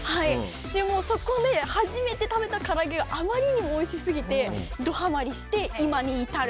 そこで初めて食べたから揚げがあまりにもおいしすぎてドハマりして、今に至る。